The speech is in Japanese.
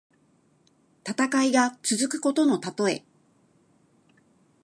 戦いが続くことのたとえ。